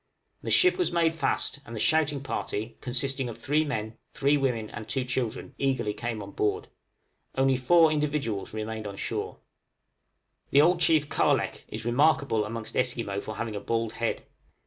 The ship was made fast, and the shouting party, consisting of three men, three women, and two children, eagerly came on board. Only four individuals remained on shore. {OFF LANCASTER SOUND.} The old chief Kal lek is remarkable amongst Esquimaux for having a bald head.